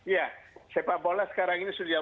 ya sepak bola sekarang ini sudah